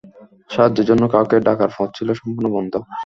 সাহায্যের জন্য কাউকে ডাকার পথ ছিল সম্পূর্ণ বন্ধ।